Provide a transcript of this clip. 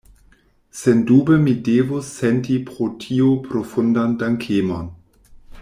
Sendube mi devus senti pro tio profundan dankemon.